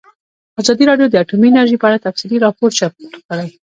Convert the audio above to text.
ازادي راډیو د اټومي انرژي په اړه تفصیلي راپور چمتو کړی.